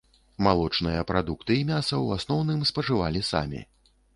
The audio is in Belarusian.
Малочныя прадукты і мяса ў асноўным спажывалі самі.